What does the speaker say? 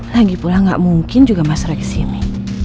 lagipula gak mungkin juga mas roy kesini